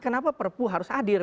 kenapa perpu harus hadir